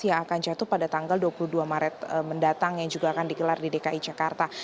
yang akan jatuh pada tanggal dua puluh dua maret mendatang yang juga akan digelar di dki jakarta